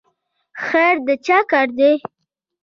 خیر د چا کار دی؟